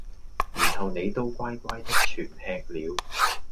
然後你都乖乖的全吃了。